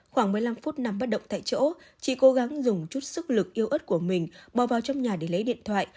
khoảng một mươi năm phút nằm bất động tại chỗ chị cố gắng dùng chút sức lực yêu ớt của mình bò vào trong nhà để lấy điện thoại